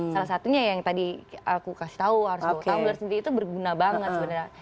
salah satunya yang tadi aku kasih tahu harus bawa tumbler sendiri itu berguna banget sebenarnya